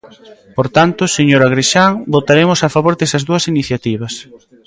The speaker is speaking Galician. Por tanto, señor Agrexán, votaremos a favor desas dúas iniciativas.